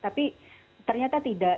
tapi ternyata tidak